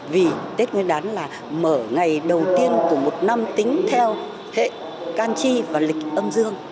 vì tết nguyên đán là mở ngày đầu tiên của một năm tính theo hệ can chi và lịch âm dương